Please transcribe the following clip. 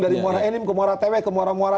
dari muara enim ke muara tewe ke muara muara